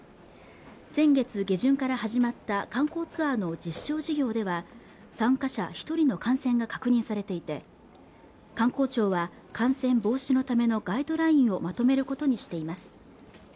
先月下旬から始まった観光ツアーの実証事業では参加者一人の感染が確認されていて観光庁は感染防止のためのガイドラインをまとめることにしています